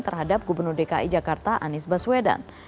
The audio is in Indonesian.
terhadap gubernur dki jakarta anies baswedan